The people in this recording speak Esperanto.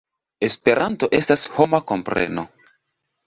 Esperanto estas homa kompreno.